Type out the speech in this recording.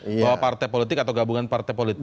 bahwa partai politik atau gabungan partai politik